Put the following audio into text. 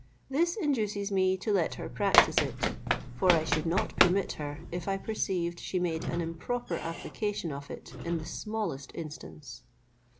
This induces me to let her practise it; for I should not permit her, if I perceived she made an improper application of it in the smallest instance."